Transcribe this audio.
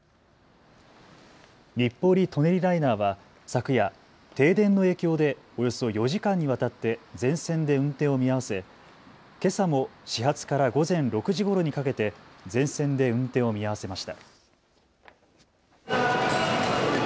日暮里・舎人ライナーは昨夜、停電の影響でおよそ４時間にわたって全線で運転を見合わせけさも始発から午前６時ごろにかけて全線で運転を見合わせました。